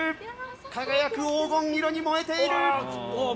輝く黄金色に燃えている！